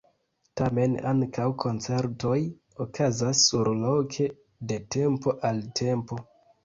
Tamen ankaŭ koncertoj okazas surloke de tempo al tempo.